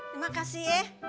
terima kasih ya